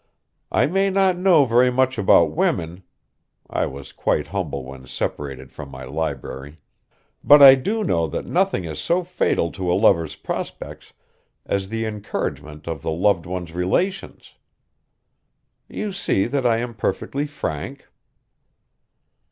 I may not know very much about women" I was quite humble when separated from my library "but I do know that nothing is so fatal to a lover's prospects as the encouragement of the loved one's relations. You see that I am perfectly frank."